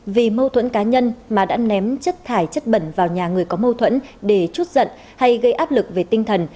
vì mâu thuẫn cá nhân mà đã ném chất thải chất bẩn vào nhà người có mâu thuẫn để chút giận hay gây áp lực về tinh thần